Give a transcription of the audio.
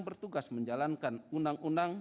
bertugas menjalankan undang undang